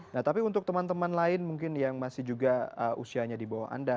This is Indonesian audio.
nah tapi untuk teman teman lain mungkin yang masih juga usianya di bawah anda